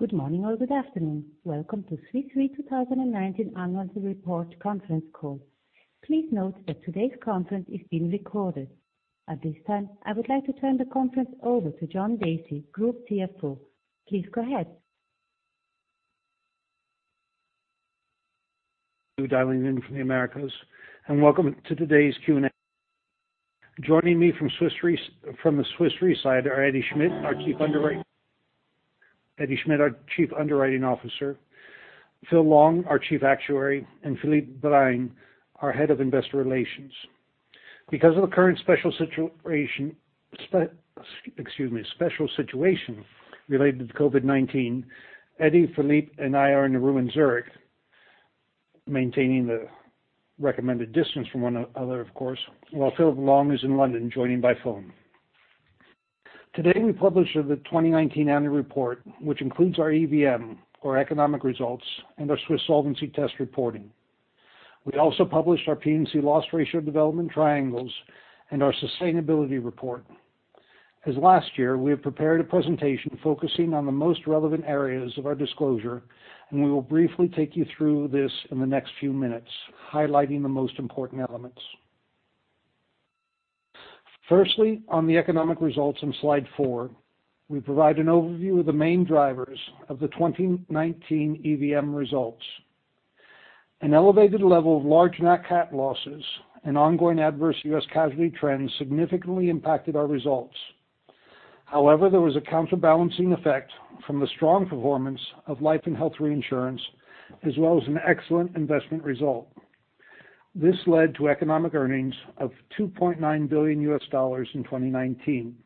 Good morning or good afternoon. Welcome to Swiss Re 2019 Annual Report conference call. Please note that today's conference is being recorded. At this time, I would like to turn the conference over to John Dacey, Group CFO. Please go ahead. You dialing in from the Americas, welcome to today's Q&A. Joining me from the Swiss Re side are Edi Schmid, our Chief Underwriting Officer, Philip Long, our Chief Actuary, and Philippe Brahin, our Head of Investor Relations. Because of the current special situation related to COVID-19, Edi, Philippe, and I are in a room in Zurich, maintaining the recommended distance from one other, of course, while Philip Long is in London, joining by phone. Today, we publish the 2019 annual report, which includes our EVM or economic results and our Swiss Solvency Test reporting. We also published our P&C loss ratio development triangles and our sustainability report. As last year, we have prepared a presentation focusing on the most relevant areas of our disclosure, we will briefly take you through this in the next few minutes, highlighting the most important elements. Firstly, on the economic results on slide four, we provide an overview of the main drivers of the 2019 EVM results. An elevated level of large Nat Cat losses and ongoing adverse U.S. casualty trends significantly impacted our results. There was a counterbalancing effect from the strong performance of Life & Health Reinsurance, as well as an excellent investment result. This led to economic earnings of $2.9 billion in 2019.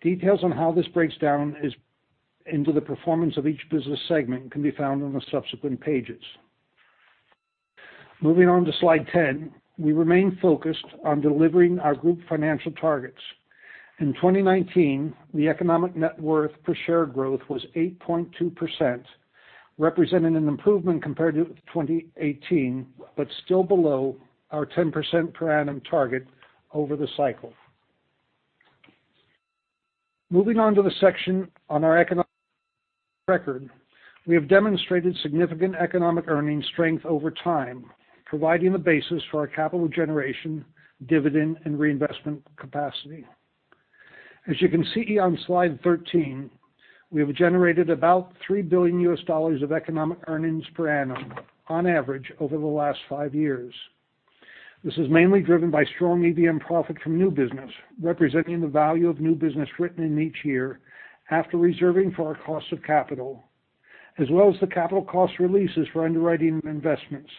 Details on how this breaks down into the performance of each business segment can be found on the subsequent pages. Moving on to slide 10, we remain focused on delivering our group financial targets. In 2019, the economic net worth per share growth was 8.2%, representing an improvement compared to 2018 but still below our 10% per annum target over the cycle. Moving on to the section on our economic record, we have demonstrated significant economic earnings strength over time, providing the basis for our capital generation, dividend, and reinvestment capacity. As you can see on slide 13, we have generated about $3 billion US dollars of economic earnings per annum on average over the last five years. This is mainly driven by strong EVM profit from new business, representing the value of new business written in each year after reserving for our cost of capital, as well as the capital cost releases for underwriting investments.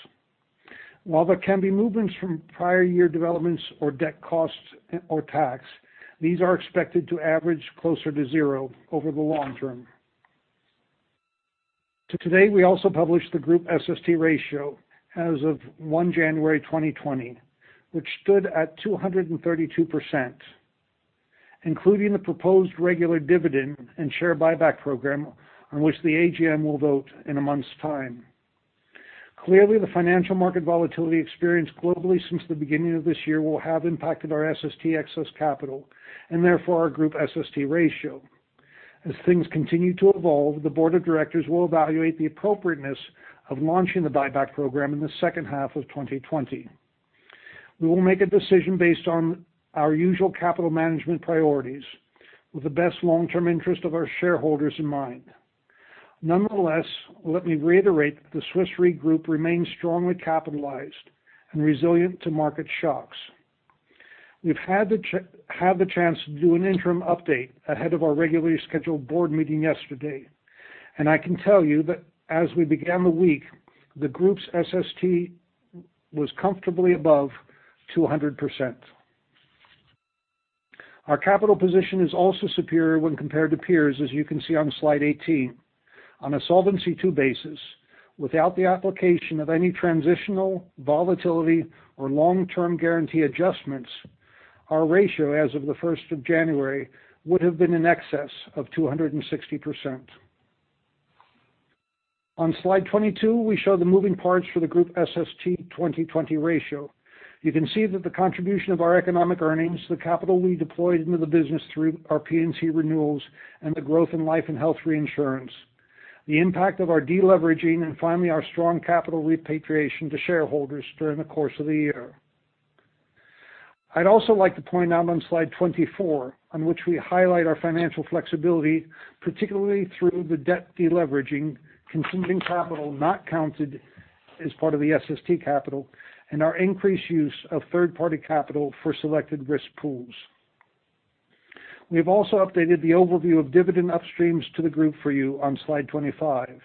While there can be movements from prior year developments or debt costs or tax, these are expected to average closer to zero over the long term. Today, we also published the group SST ratio as of January 1, 2020, which stood at 232%, including the proposed regular dividend and share buyback program on which the AGM will vote in a month's time. Clearly, the financial market volatility experienced globally since the beginning of this year will have impacted our SST excess capital and therefore our group SST ratio. As things continue to evolve, the board of directors will evaluate the appropriateness of launching the buyback program in the second half of 2020. We will make a decision based on our usual capital management priorities with the best long-term interest of our shareholders in mind. Nonetheless, let me reiterate that the Swiss Re Group remains strongly capitalized and resilient to market shocks. We've had the chance to do an interim update ahead of our regularly scheduled board meeting yesterday, and I can tell you that as we began the week, the group's SST was comfortably above 200%. Our capital position is also superior when compared to peers as you can see on slide 18. On a Solvency II basis, without the application of any transitional, volatility, or long-term guarantee adjustments, our ratio as of the January 1st would have been in excess of 260%. On slide 22, we show the moving parts for the group SST 2020 ratio. You can see that the contribution of our economic earnings, the capital we deployed into the business through our P&C renewals, and the growth in Life & Health Reinsurance, the impact of our de-leveraging, and finally, our strong capital repatriation to shareholders during the course of the year. I'd also like to point out on slide 24, on which we highlight our financial flexibility, particularly through the debt de-leveraging, consuming capital not counted as part of the SST capital, and our increased use of third-party capital for selected risk pools. We have also updated the overview of dividend upstreams to the group for you on slide 25.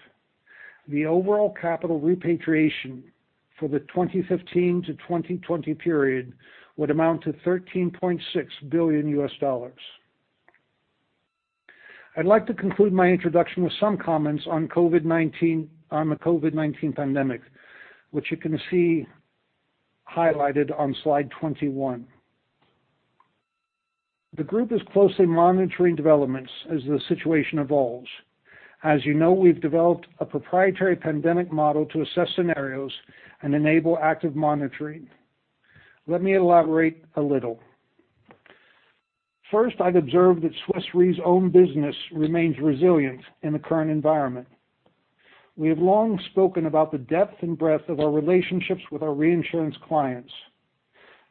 The overall capital repatriation for the 2015 to 2020 period would amount to $13.6 billion. I'd like to conclude my introduction with some comments on the COVID-19 pandemic, which you can see highlighted on slide 21. The group is closely monitoring developments as the situation evolves. As you know, we've developed a proprietary pandemic model to assess scenarios and enable active monitoring. Let me elaborate a little. First, I'd observe that Swiss Re's own business remains resilient in the current environment. We have long spoken about the depth and breadth of our relationships with our reinsurance clients.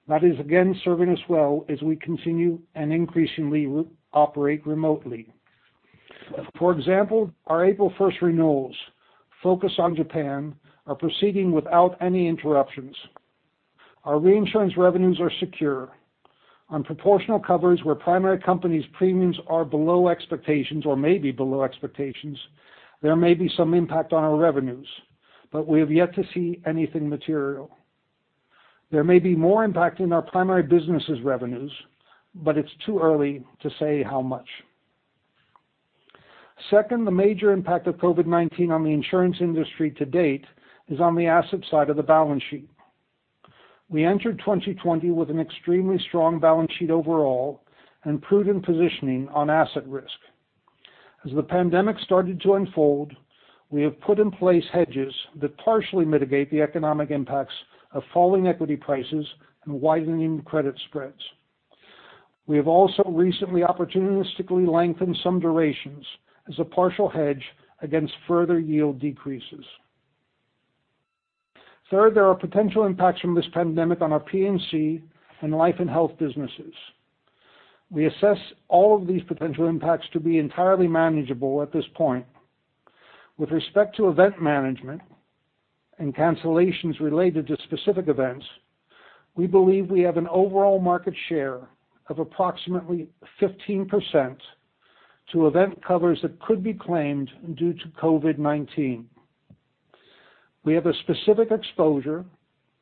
That is again serving us well as we continue and increasingly operate remotely. For example, our April 1st renewals focused on Japan are proceeding without any interruptions. Our reinsurance revenues are secure. On proportional covers where primary companies premiums are below expectations or may be below expectations, there may be some impact on our revenues, but we have yet to see anything material. There may be more impact in our primary businesses revenues, but it's too early to say how much. Second, the major impact of COVID-19 on the insurance industry to date is on the asset side of the balance sheet. We entered 2020 with an extremely strong balance sheet overall and prudent positioning on asset risk. As the pandemic started to unfold, we have put in place hedges that partially mitigate the economic impacts of falling equity prices and widening credit spreads. We have also recently opportunistically lengthened some durations as a partial hedge against further yield decreases. Third, there are potential impacts from this pandemic on our P&C and life and health businesses. We assess all of these potential impacts to be entirely manageable at this point. With respect to event management and cancellations related to specific events, we believe we have an overall market share of approximately 15% to event covers that could be claimed due to COVID-19. We have a specific exposure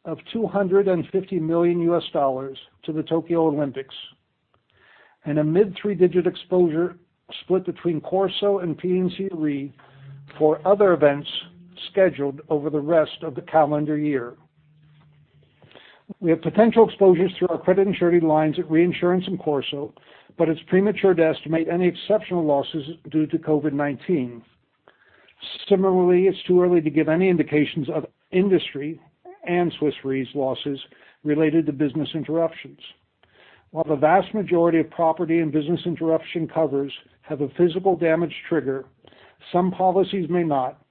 of CHF 250 million to the Tokyo 2020, and a mid-three digit exposure split between CorSo and P&C Re for other events scheduled over the rest of the calendar year. We have potential exposures through our credit insured lines at reinsurance and CorSo, but it's premature to estimate any exceptional losses due to COVID-19. Similarly, it's too early to give any indications of industry and Swiss Re's losses related to business interruptions. While the vast majority of property and business interruption covers have a physical damage trigger, some policies may not,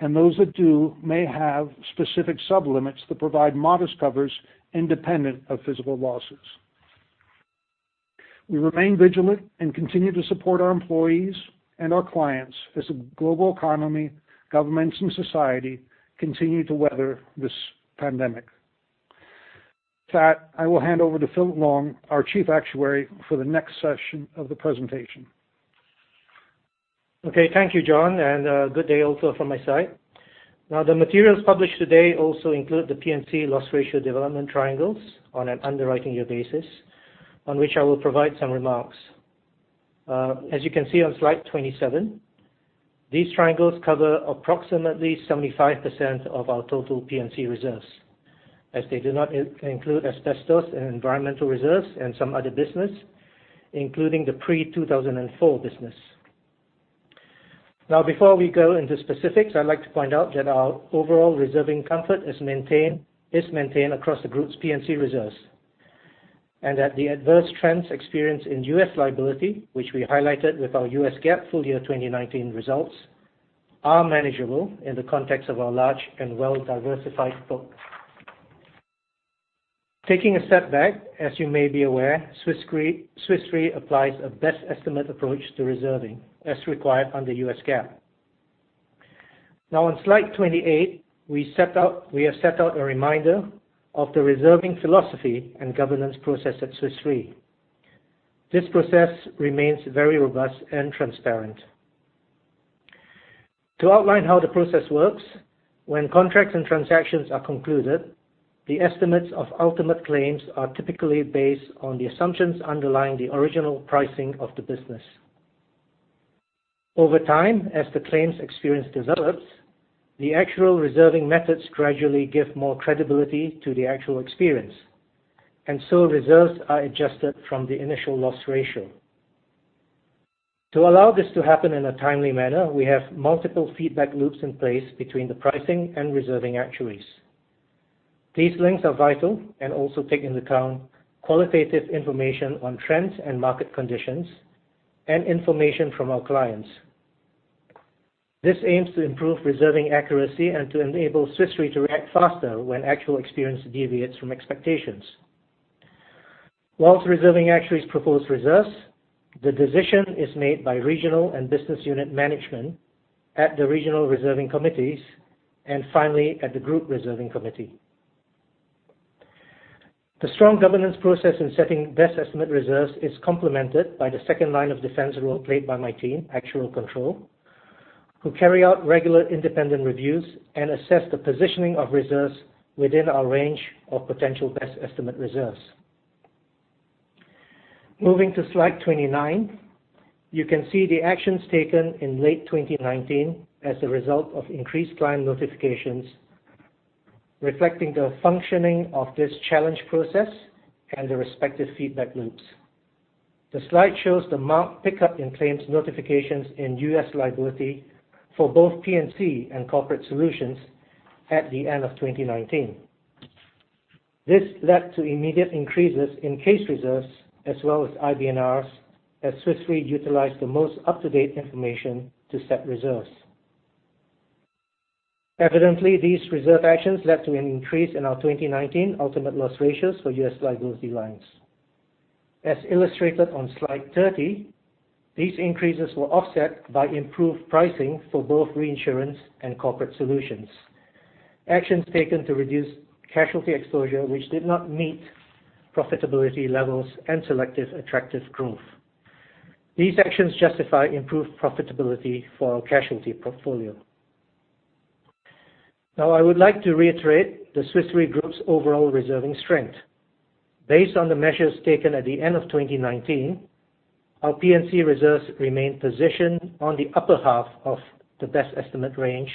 and those that do may have specific sub-limits that provide modest covers independent of physical losses. We remain vigilant and continue to support our employees and our clients as the global economy, governments, and society continue to weather this pandemic. With that, I will hand over to Philip Long, our Chief Actuary, for the next session of the presentation. Okay. Thank you, John, and good day also from my side. The materials published today also include the P&C loss ratio development triangles on an underwriting year basis on which I will provide some remarks. As you can see on slide 27, these triangles cover approximately 75% of our total P&C reserves, as they do not include asbestos and environmental reserves and some other business, including the pre-2004 business. Before we go into specifics, I'd like to point out that our overall reserving comfort is maintained across the group's P&C reserves, and that the adverse trends experienced in U.S. liability, which we highlighted with our U.S. GAAP full year 2019 results, are manageable in the context of our large and well diversified book. Taking a step back, as you may be aware, Swiss Re applies a best estimate approach to reserving, as required under U.S. GAAP. On slide 28, we have set out a reminder of the reserving philosophy and governance process at Swiss Re. This process remains very robust and transparent. To outline how the process works, when contracts and transactions are concluded, the estimates of ultimate claims are typically based on the assumptions underlying the original pricing of the business. Over time, as the claims experience develops, the actual reserving methods gradually give more credibility to the actual experience, reserves are adjusted from the initial loss ratio. To allow this to happen in a timely manner, we have multiple feedback loops in place between the pricing and reserving actuaries. These links are vital and also take into account qualitative information on trends and market conditions and information from our clients. This aims to improve reserving accuracy and to enable Swiss Re to react faster when actual experience deviates from expectations. Whilst reserving actuaries propose reserves, the decision is made by regional and business unit management at the regional reserving committees and finally at the group reserving committee. The strong governance process in setting best estimate reserves is complemented by the second line of defense role played by my team, Actuarial Control, who carry out regular independent reviews and assess the positioning of reserves within our range of potential best estimate reserves. Moving to slide 29. You can see the actions taken in late 2019 as a result of increased client notifications, reflecting the functioning of this challenge process and the respective feedback loops. The slide shows the marked pickup in claims notifications in U.S. liability for both P&C and Corporate Solutions at the end of 2019. This led to immediate increases in case reserves as well as IBNRs, as Swiss Re utilized the most up-to-date information to set reserves. Evidently, these reserve actions led to an increase in our 2019 ultimate loss ratios for U.S. liability lines. As illustrated on slide 30, these increases were offset by improved pricing for both reinsurance and Corporate Solutions. Actions taken to reduce casualty exposure which did not meet profitability levels and selective attractive growth. These actions justify improved profitability for our casualty portfolio. Now, I would like to reiterate the Swiss Re Group's overall reserving strength. Based on the measures taken at the end of 2019, our P&C reserves remain positioned on the upper half of the best estimate range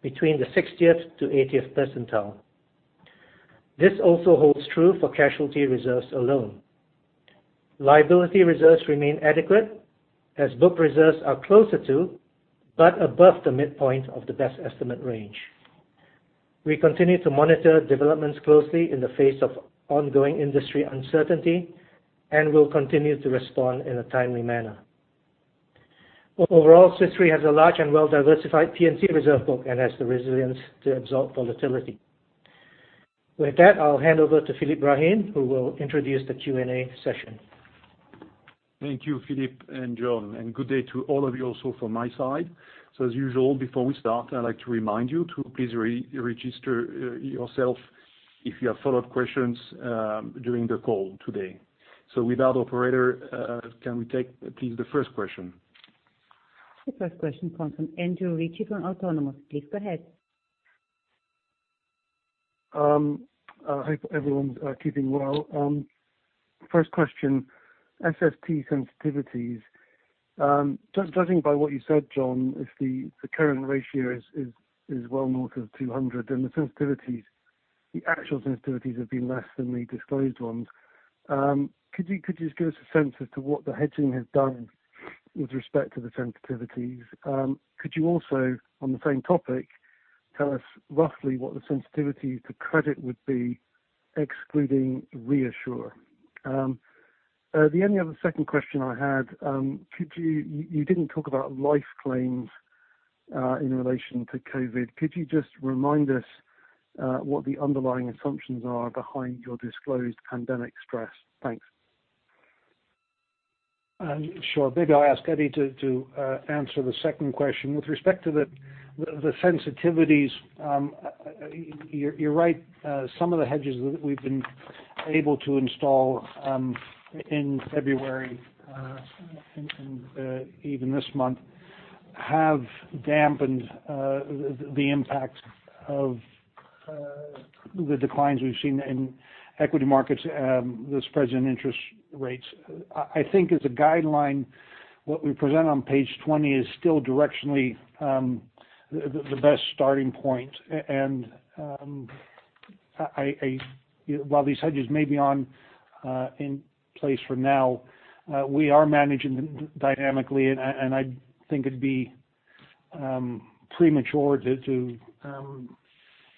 between the 60th to 80th percentile. This also holds true for casualty reserves alone. Liability reserves remain adequate, as book reserves are closer to, but above the midpoint of the best estimate range. We continue to monitor developments closely in the face of ongoing industry uncertainty and will continue to respond in a timely manner. Overall, Swiss Re has a large and well-diversified P&C reserve book and has the resilience to absorb volatility. With that, I'll hand over to Philippe Brahin, who will introduce the Q&A session. Thank you, Philip and John, and good day to all of you also from my side. As usual, before we start, I'd like to remind you to please re-register yourself if you have follow-up questions during the call today. With that, operator, can we take please the first question? The first question comes from Andrew Ritchie from Autonomous. Please go ahead. I hope everyone's keeping well. First question, SST sensitivities. Judging by what you said, John, if the current ratio is well north of 200, and the actual sensitivities have been less than the disclosed ones, could you just give us a sense as to what the hedging has done with respect to the sensitivities? Could you also, on the same topic, tell us roughly what the sensitivity to credit would be excluding ReAssure? The only other second question I had, you didn't talk about life claims in relation to COVID. Could you just remind us what the underlying assumptions are behind your disclosed pandemic stress? Thanks. Sure. Maybe I'll ask Edi to answer the second question. With respect to the sensitivities, you're right. Some of the hedges that we've been able to install in February and even this month have dampened the impact of the declines we've seen in equity markets, those present interest rates. I think as a guideline, what we present on page 20 is still directionally the best starting point. While these hedges may be in place for now, we are managing them dynamically, and I think it'd be premature to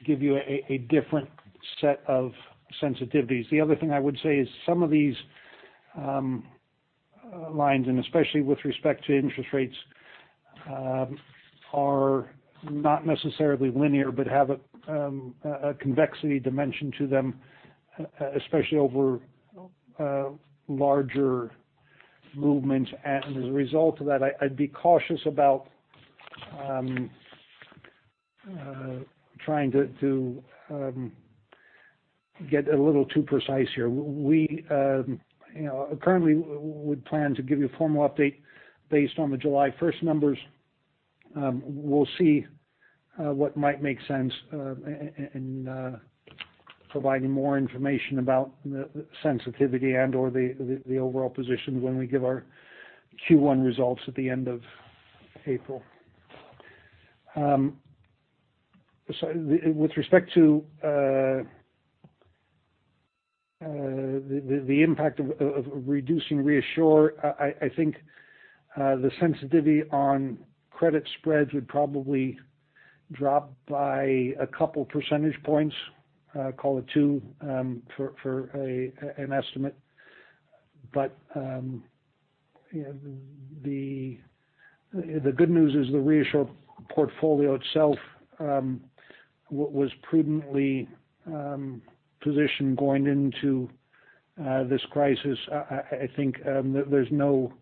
give you a different set of sensitivities. The other thing I would say is some of these lines, and especially with respect to interest rates, are not necessarily linear, but have a convexity dimension to them, especially over larger movements. As a result of that, I'd be cautious about trying to get a little too precise here. We currently would plan to give you a formal update based on the July 1st numbers. We'll see what might make sense in providing more information about the sensitivity and/or the overall position when we give our Q1 results at the end of April. With respect to the impact of reducing ReAssure, I think the sensitivity on credit spreads would probably drop by a couple percentage points, call it 2, for an estimate. The good news is the ReAssure portfolio itself was prudently positioned going into this crisis. I think there's no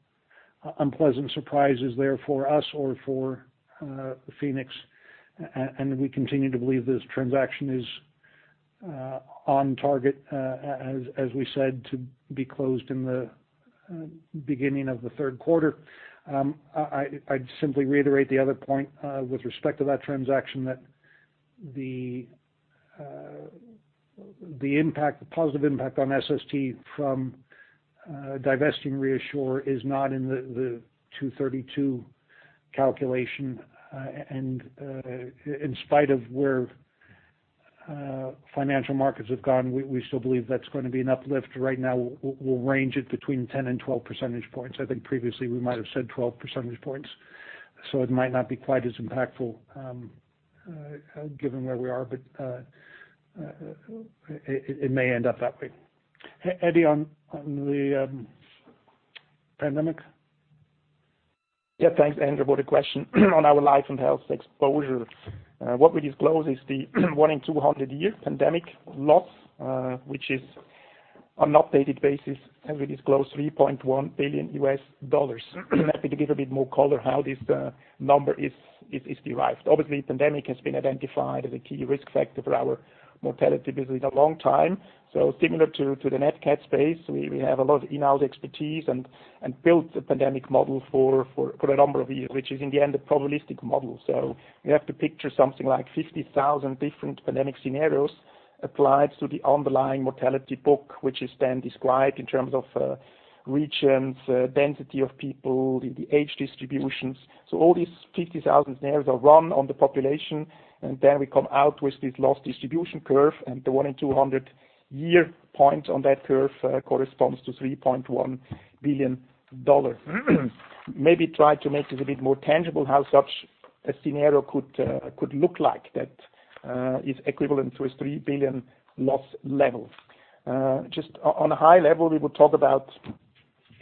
unpleasant surprises there for us or for Phoenix, and we continue to believe this transaction is on target, as we said, to be closed in the beginning of the third quarter. I'd simply reiterate the other point with respect to that transaction that the positive impact on SST from divesting ReAssure is not in the 232 calculation. In spite of where financial markets have gone, we still believe that's going to be an uplift right now. We'll range it between 10 and 12 percentage points. I think previously we might have said 12 percentage points, it might not be quite as impactful given where we are. It may end up that way. Edi, on the pandemic? Yeah, thanks Andrew for the question. On our life and health exposure, what we disclose is the one in 200 year pandemic loss, which is on an updated basis, as we disclose, $3.1 billion. Let me give a bit more color how this number is derived. Obviously, pandemic has been identified as a key risk factor for our mortality business a long time. Similar to the Nat Cat space, we have a lot of in-house expertise and built a pandemic model for a number of years, which is in the end, a probabilistic model. You have to picture something like 50,000 different pandemic scenarios applied to the underlying mortality book, which is then described in terms of regions, density of people, the age distributions. All these 50,000 scenarios are run on the population, and then we come out with this loss distribution curve. The one in 200-year point on that curve corresponds to $3.1 billion. Maybe try to make it a bit more tangible how such a scenario could look like that is equivalent to a $3 billion loss level. Just on a high level, we would talk about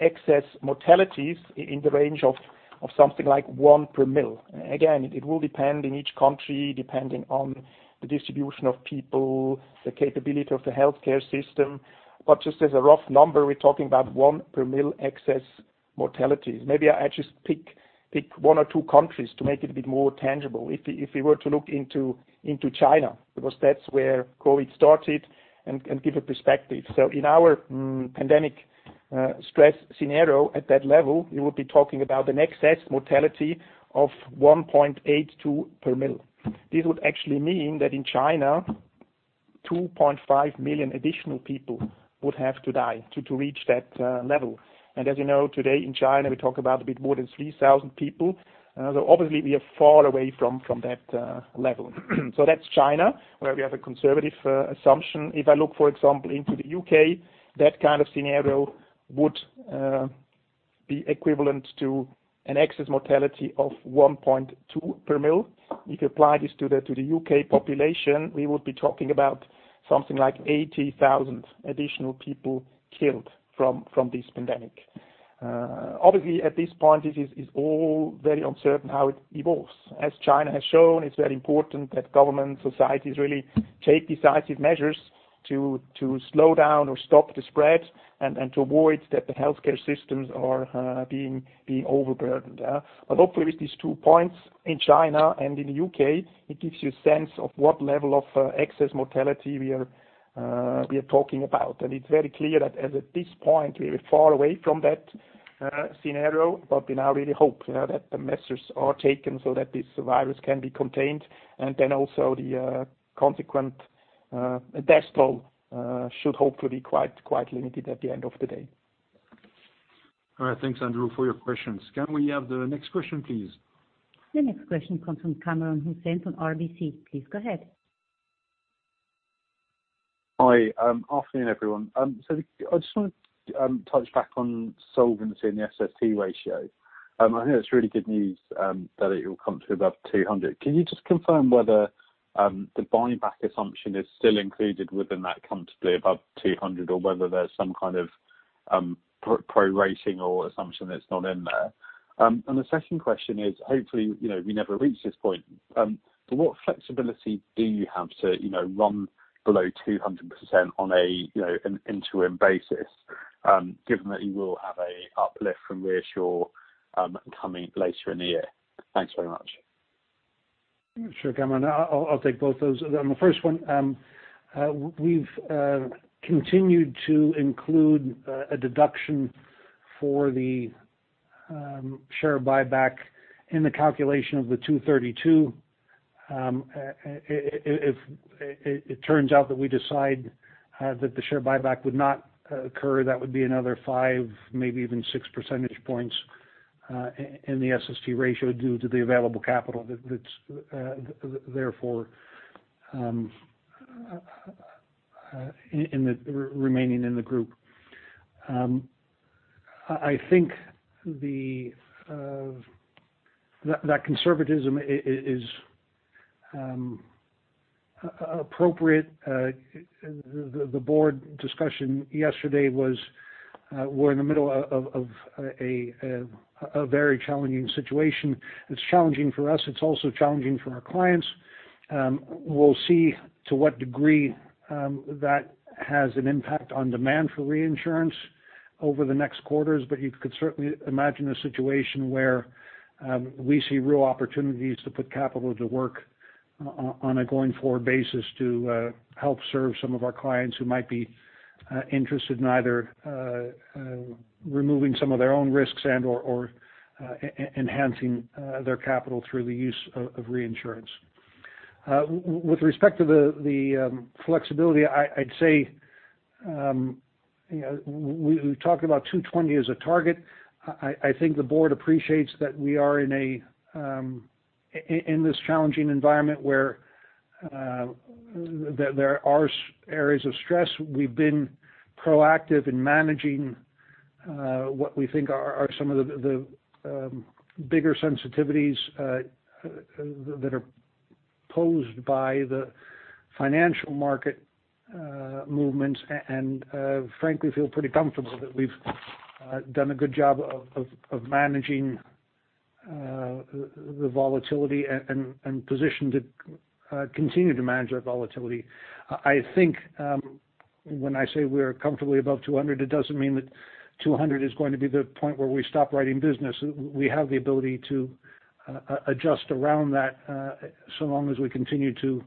excess mortalities in the range of something like 1 per mil. Again, it will depend in each country, depending on the distribution of people, the capability of the healthcare system. Just as a rough number, we're talking about 1 per mil excess mortalities. Maybe I just pick one or two countries to make it a bit more tangible. If we were to look into China, because that's where COVID started and give a perspective. In our pandemic stress scenario at that level, we would be talking about an excess mortality of 1.82 per mil. This would actually mean that in China, 2.5 million additional people would have to die to reach that level. As you know, today in China, we talk about a bit more than 3,000 people. Obviously, we are far away from that level. That's China, where we have a conservative assumption. If I look, for example, into the U.K., that kind of scenario would be equivalent to an excess mortality of 1.2 per mil. If you apply this to the U.K. population, we would be talking about something like 80,000 additional people killed from this pandemic. Obviously, at this point, it is all very uncertain how it evolves. As China has shown, it's very important that government societies really take decisive measures to slow down or stop the spread and to avoid that the healthcare systems are being overburdened. Hopefully with these two points in China and in the U.K., it gives you a sense of what level of excess mortality we are talking about. It's very clear that as at this point, we are far away from that scenario, but we now really hope that the measures are taken so that this virus can be contained, and then also the consequent death toll should hopefully be quite limited at the end of the day. All right. Thanks, Andrew, for your questions. Can we have the next question, please? The next question comes from Kamran Hossain from RBC. Please go ahead. Hi. Afternoon, everyone. I just want to touch back on solvency and the SST ratio. I know it's really good news that it will come to above 200. Can you just confirm whether the buyback assumption is still included within that comfortably above 200 or whether there's some kind of pro-rating or assumption that's not in there? The second question is, hopefully, we never reach this point, but what flexibility do you have to run below 200% on an interim basis, given that you will have a uplift from ReAssure coming later in the year? Thanks very much. Sure, Kamran. I'll take both those. On the first one, we've continued to include a deduction for the share buyback in the calculation of the 232. If it turns out that we decide that the share buyback would not occur, that would be another 5, maybe even 6 percentage points in the SST ratio due to the available capital that's therefore remaining in the group. I think that conservatism is appropriate. The board discussion yesterday was we're in the middle of a very challenging situation. It's challenging for us. It's also challenging for our clients. We'll see to what degree that has an impact on demand for reinsurance over the next quarters. You could certainly imagine a situation where we see real opportunities to put capital to work on a going forward basis to help serve some of our clients who might be interested in either removing some of their own risks and or enhancing their capital through the use of reinsurance. With respect to the flexibility, I'd say we talk about 220 as a target. I think the board appreciates that we are in this challenging environment where there are areas of stress. We've been proactive in managing what we think are some of the bigger sensitivities that are posed by the financial market movements, and frankly feel pretty comfortable that we've done a good job of managing the volatility and positioned to continue to manage that volatility. I think when I say we are comfortably above 200, it doesn't mean that 200 is going to be the point where we stop writing business. We have the ability to adjust around that, so long as we continue to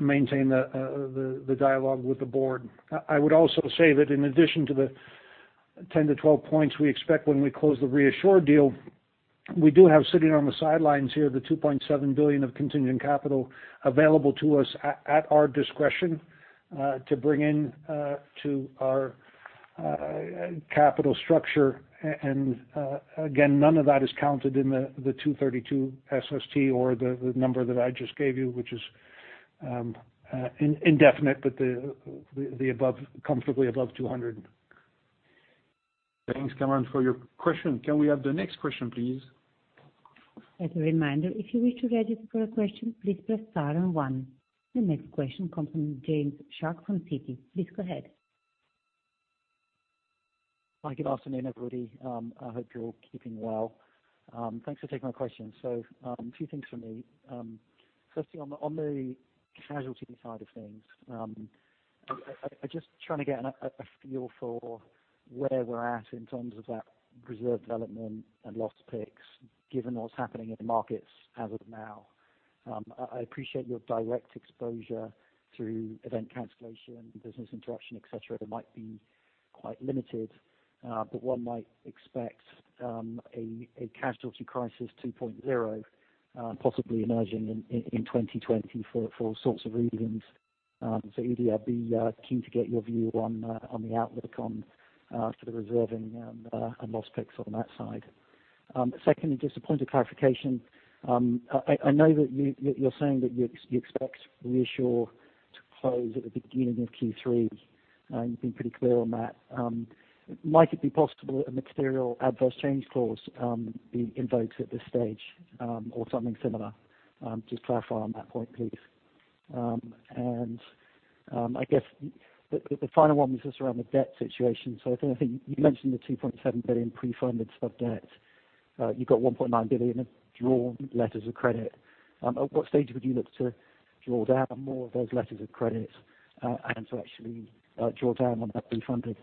maintain the dialogue with the board. I would also say that in addition to the 10 to 12 points we expect when we close the ReAssure deal, we do have sitting on the sidelines here, the $2.7 billion of contingent capital available to us at our discretion to bring into our capital structure. Again, none of that is counted in the 232 SST or the number that I just gave you, which is indefinite, but comfortably above 200. Thanks, Kamran, for your question. Can we have the next question, please? As a reminder, if you wish to register a question, please press star and one. The next question comes from James Shuck from Citi. Please go ahead. Hi, good afternoon, everybody. I hope you're keeping well. Thanks for taking my question. Two things from me. Firstly, on the casualty side of things, I'm just trying to get a feel for where we're at in terms of that reserve development and loss picks given what's happening in the markets as of now. I appreciate your direct exposure to event cancellation, business interruption, et cetera, that might be quite limited. One might expect a casualty crisis 2.0 possibly emerging in 2020 for all sorts of reasons. Edi, I'd be keen to get your view on the outlook on sort of reserving and loss picks on that side. Secondly, just a point of clarification. I know that you're saying that you expect ReAssure to close at the beginning of Q3, and you've been pretty clear on that. Might it be possible a material adverse change clause be invoked at this stage, or something similar? Just clarify on that point, please. I guess the final one was just around the debt situation. I think you mentioned the $2.7 billion pre-funded sub-debt. You've got $1.9 billion of drawn letters of credit. At what stage would you look to draw down more of those letters of credit, and to actually draw down on that pre-funded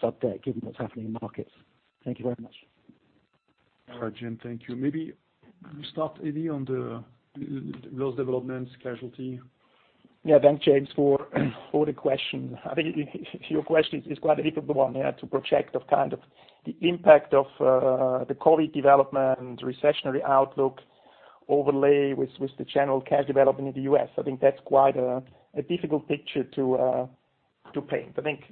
sub-debt given what's happening in markets? Thank you very much. All right, James. Thank you. Maybe start, Edi, on the loss developments casualty. Yeah. Thanks, James, for the question. I think your question is quite a difficult one to project of kind of the impact of the COVID development, recessionary outlook overlay with the general Nat Cat development in the U.S. I think that's quite a difficult picture to paint. I think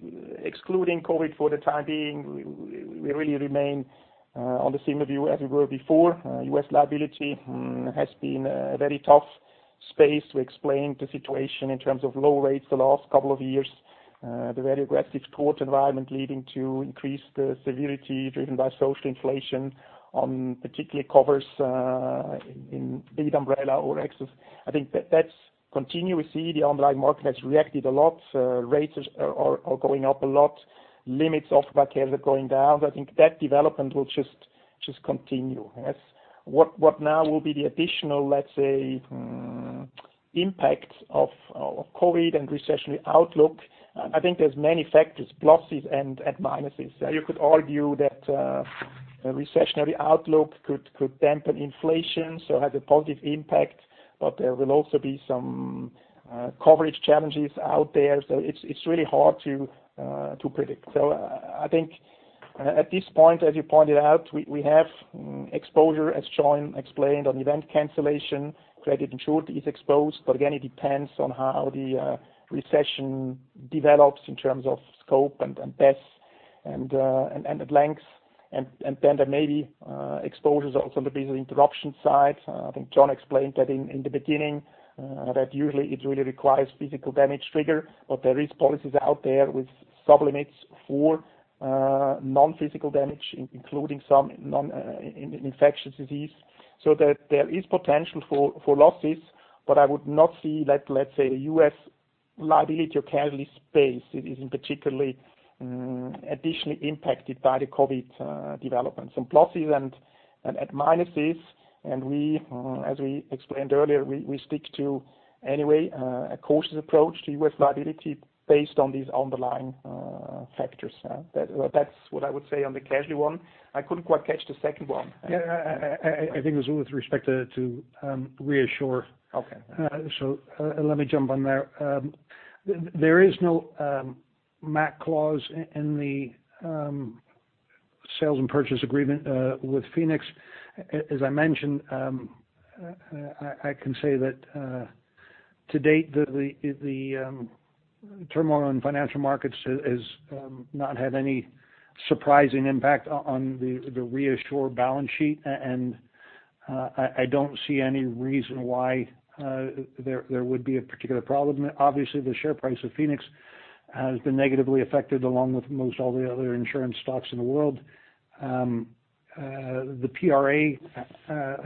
excluding COVID for the time being, we really remain on the same view as we were before. U.S. liability has been a very tough space to explain the situation in terms of low rates the last couple of years. The very aggressive tort environment leading to increased severity driven by social inflation on particularly covers in lead umbrella or excess. I think that's continuous. The underlying market has reacted a lot. Rates are going up a lot. Limits offered by carriers are going down. I think that development will just continue. What now will be the additional, let's say, impact of COVID-19 and recessionary outlook, I think there's many factors, pluses and minuses. You could argue that a recessionary outlook could dampen inflation, so have a positive impact, but there will also be some coverage challenges out there. It's really hard to predict. I think at this point, as you pointed out, we have exposure, as John explained, on event cancellation. Credit insured is exposed, but again, it depends on how the recession develops in terms of scope and depth and length, and then there may be exposures also on the business interruption side. I think John explained that in the beginning, that usually it really requires physical damage trigger, but there is policies out there with sub-limits for non-physical damage, including some infectious disease. There is potential for losses. I would not see that, let's say, the U.S. liability or casualty space is in particularly additionally impacted by the COVID developments. Some pluses and minuses, and as we explained earlier, we stick to, anyway, a cautious approach to U.S. liability based on these underlying factors. That's what I would say on the casualty one. I couldn't quite catch the second one. Yeah. I think it was with respect to ReAssure. Okay. Let me jump on there. There is no MAC clause in the sales and purchase agreement with Phoenix. As I mentioned, I can say that to date, the turmoil in financial markets has not had any surprising impact on the ReAssure balance sheet, and I don't see any reason why there would be a particular problem. Obviously, the share price of Phoenix has been negatively affected, along with most all the other insurance stocks in the world. The PRA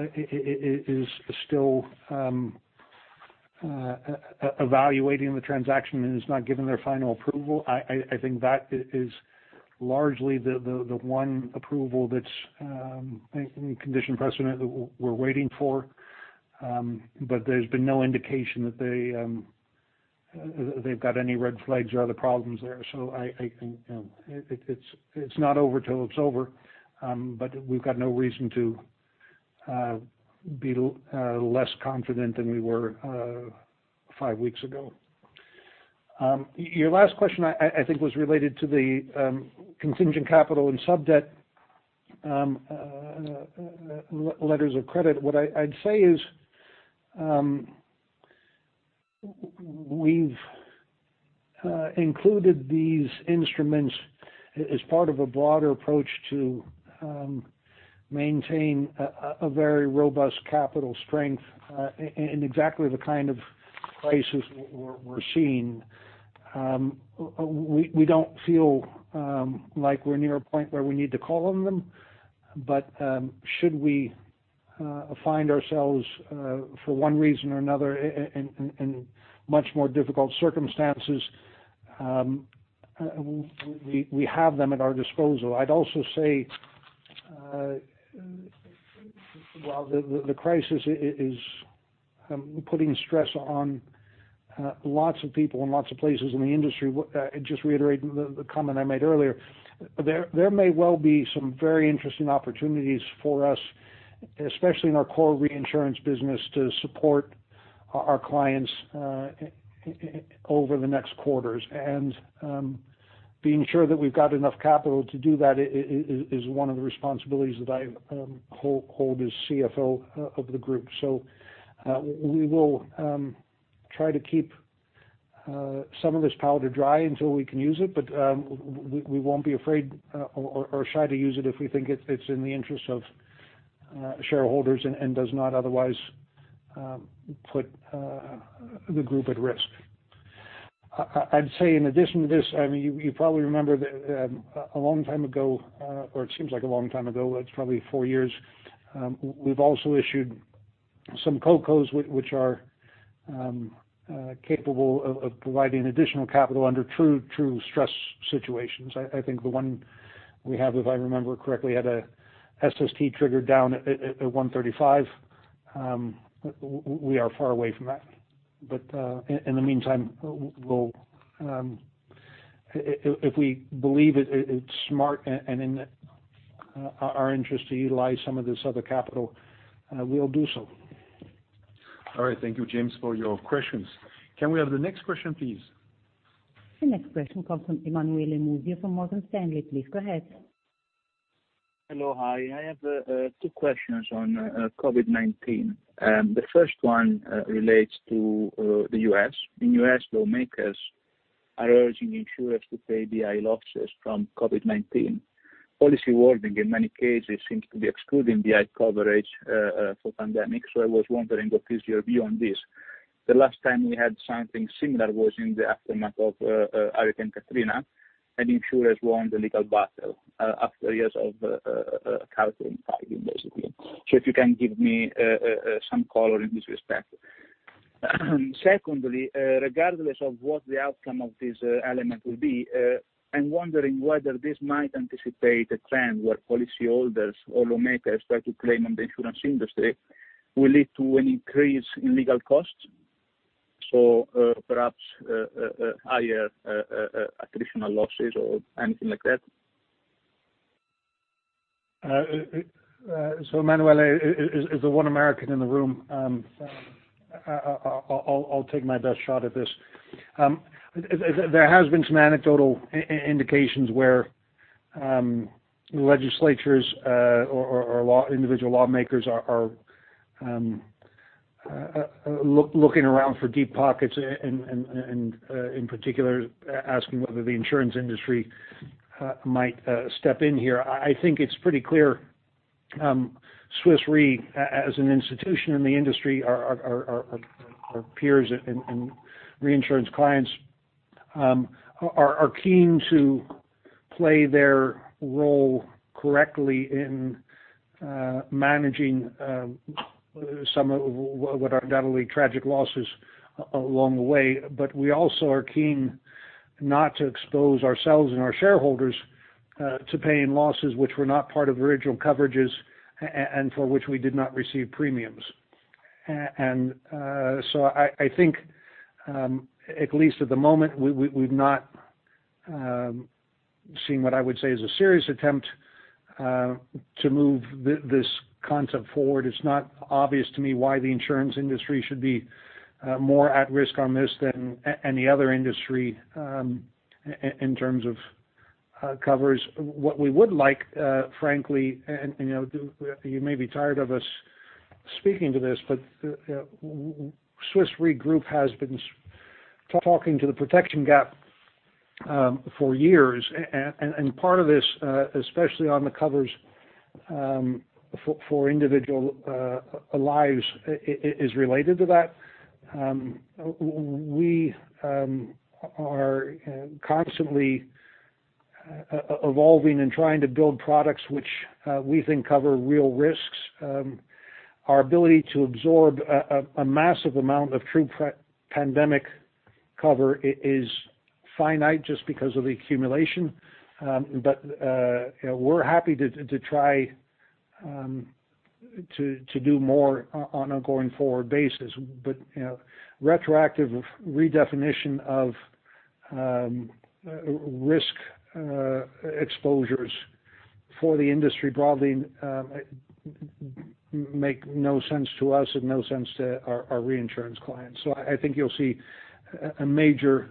is still evaluating the transaction and has not given their final approval. I think that is largely the one approval that's condition precedent that we're waiting for. There's been no indication that they've got any red flags or other problems there. I think it's not over till it's over, but we've got no reason to be less confident than we were five weeks ago. Your last question, I think, was related to the contingent capital and sub-debt letters of credit. What I'd say is, we've included these instruments as part of a broader approach to maintain a very robust capital strength in exactly the kind of places we're seeing. We don't feel like we're near a point where we need to call on them. Should we find ourselves for one reason or another in much more difficult circumstances, we have them at our disposal. I'd also say, while the crisis is putting stress on lots of people and lots of places in the industry, just reiterating the comment I made earlier, there may well be some very interesting opportunities for us, especially in our core reinsurance business, to support our clients over the next quarters. Being sure that we've got enough capital to do that is one of the responsibilities that I hold as CFO of the group. We will try to keep some of this powder dry until we can use it, but we won't be afraid or shy to use it if we think it's in the interest of shareholders and does not otherwise put the group at risk. I'd say in addition to this, you probably remember a long time ago, or it seems like a long time ago, it's probably four years, we've also issued some CoCos which are capable of providing additional capital under true stress situations. I think the one we have, if I remember correctly, had a SST trigger down at 135. We are far away from that. In the meantime, if we believe it's smart and in our interest to utilize some of this other capital, we'll do so. All right. Thank you, James, for your questions. Can we have the next question, please? The next question comes from Emanuele Musio from Morgan Stanley. Please go ahead. Hello. Hi. I have two questions on COVID-19. The first one relates to the U.S. In U.S., lawmakers are urging insurers to pay BI losses from COVID-19. Policy wording in many cases seems to be excluding BI coverage for pandemics. I was wondering what is your view on this? The last time we had something similar was in the aftermath of Hurricane Katrina, and insurers won the legal battle after years of constant fighting, basically. If you can give me some color in this respect. Secondly, regardless of what the outcome of this element will be, I'm wondering whether this might anticipate a trend where policyholders or lawmakers try to claim on the insurance industry will lead to an increase in legal costs? Perhaps higher attritional losses or anything like that. Emanuele, as the one American in the room, I'll take my best shot at this. There has been some anecdotal indications where legislatures or individual lawmakers are looking around for deep pockets, and in particular, asking whether the insurance industry might step in here. I think it's pretty clear Swiss Re, as an institution in the industry, our peers and reinsurance clients are keen to play their role correctly in managing some of what are undoubtedly tragic losses along the way. We also are keen not to expose ourselves and our shareholders to paying losses which were not part of original coverages and for which we did not receive premiums. I think, at least at the moment, we've not seen what I would say is a serious attempt to move this concept forward. It's not obvious to me why the insurance industry should be more at risk on this than any other industry in terms of covers. What we would like, frankly, and you may be tired of us speaking to this, Swiss Re Group has been talking to the protection gap for years. Part of this, especially on the covers for individual lives, is related to that. We are constantly evolving and trying to build products which we think cover real risks. Our ability to absorb a massive amount of true pandemic cover is finite just because of the accumulation. We're happy to try to do more on a going-forward basis. Retroactive redefinition of risk exposures for the industry broadly make no sense to us and no sense to our reinsurance clients. I think you'll see a major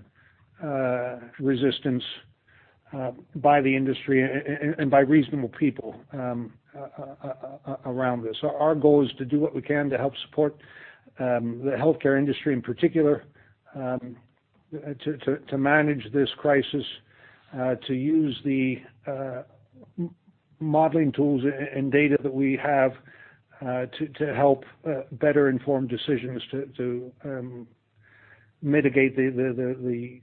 resistance by the industry and by reasonable people around this. Our goal is to do what we can to help support the healthcare industry in particular, to manage this crisis, to use the modeling tools and data that we have to help better inform decisions to mitigate the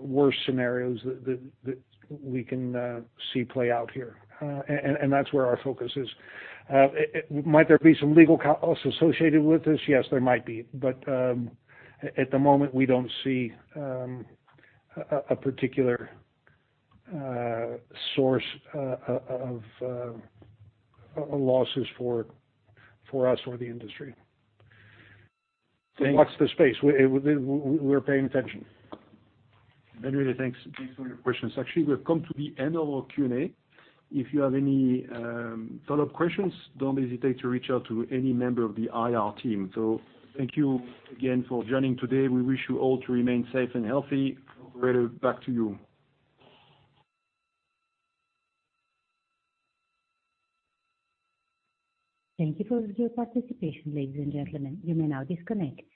worst scenarios that we can see play out here. That's where our focus is. Might there be some legal costs associated with this? Yes, there might be. At the moment, we don't see a particular source of losses for us or the industry. We'll watch the space. We're paying attention. Emanuele, thanks for your questions. Actually, we've come to the end of our Q&A. If you have any follow-up questions, don't hesitate to reach out to any member of the IR team. Thank you again for joining today. We wish you all to remain safe and healthy. Operator, back to you. Thank you for your participation, ladies and gentlemen. You may now disconnect.